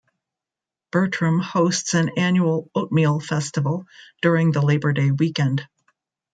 Bertram hosts an annual "Oatmeal Festival" during the Labor Day weekend.